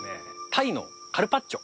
鯛のカルパッチョ。